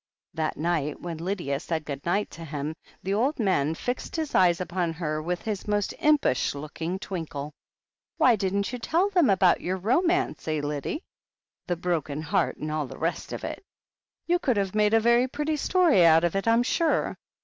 That night, when Lydia said good night to him, the old man fixed his eyes upon her with his most impish looking twinkle. "Why didn't you tell them about your romance, eh, Lyddie ? The broken heart, and all the rest of it. You could have made a very pretty story out of it, I'm sure.